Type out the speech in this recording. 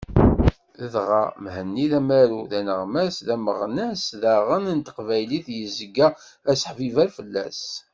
Dɣa, Mhenni d amaru, d aneɣmas, d ameɣnas daɣen n teqbaylit, yezga d aseḥbibber fell-as.